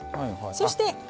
そして。